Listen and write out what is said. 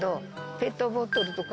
ペットボトルとか。